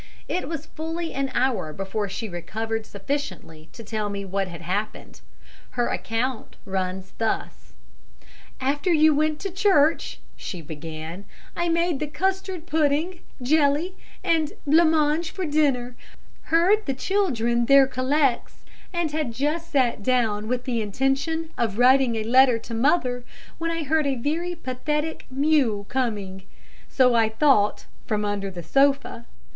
It was fully an hour before she recovered sufficiently to tell me what had happened. Her account runs thus: "'After you went to church,' she began, 'I made the custard pudding, jelly and blancmange for dinner, heard the children their collects, and had just sat down with the intention of writing a letter to mother, when I heard a very pathetic mew coming, so I thought, from under the sofa.